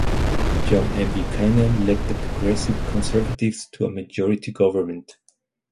John M. Buchanan led the Progressive Conservatives to a Majority Government.